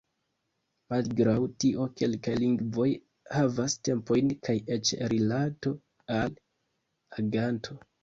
Malgraŭ tio, kelkaj lingvoj havas tempojn kaj eĉ rilato al aganto.